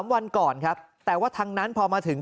วันก่อนครับแต่ว่าทางนั้นพอมาถึง